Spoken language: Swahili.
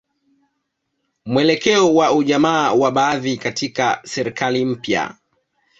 Mwelekeo wa ujamaa wa baadhi katika serikali mpya